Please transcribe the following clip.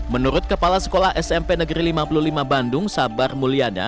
menurut kepala sekolah smp negeri lima puluh lima bandung sabar mulyana